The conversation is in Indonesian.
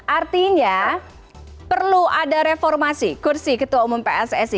artinya perlu ada reformasi kursi ketua umum pssi